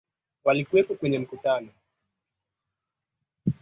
Vita hivyo vilishirikisha baadhi ya makabila ya kusini mwa Tanzania ya leo